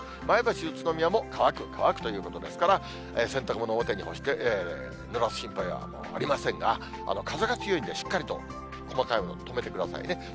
前橋、宇都宮も乾く、乾くということですから、洗濯物、表干してぬらす心配はありませんが、風が強いんで、しっかりと細かいもの、留めてくださいね。